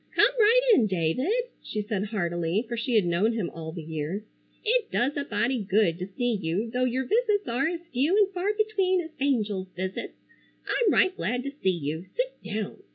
"Come right in, David," she said heartily, for she had known him all the years, "it does a body good to see you though your visits are as few and far between as angels' visits. I'm right glad to see you! Sit down."